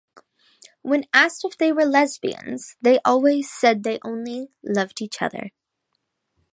When asked if they were lesbians, they always said they only "loved each other".